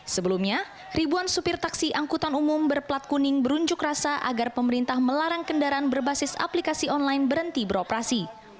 sebelumnya ribuan supir taksi angkutan umum berplat kuning berunjuk rasa agar pemerintah melarang kendaraan berbasis aplikasi online berhenti beroperasi